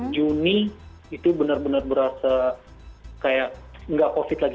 juni itu benar benar berasa kayak nggak covid lagi